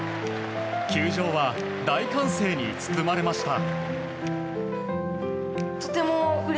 球場は大歓声に包まれました。